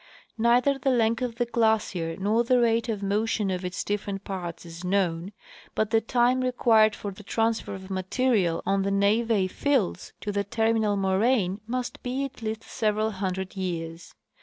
Neither the length of the glacier nor the rate of motion of its different parts is known, but the time required for . the transfer of material on the neve fields to the terminal moraine must be at least several hundred years.